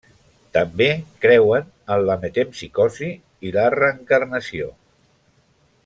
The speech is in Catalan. També creuen en la metempsicosi i la reencarnació.